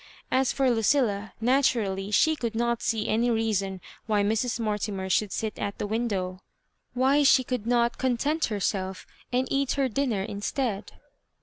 As for Lucilla, naturally she could not see any reason why Mrs. Mortimer should sit at the window — why she could not content heraeli^ and eat her dinner instead.